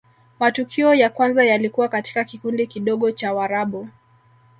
matukio ya kwanza yalikuwa katika kikundi kidogo cha warabu